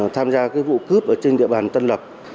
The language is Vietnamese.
tham gia cái vụ cướp ở trên địa bàn tân lập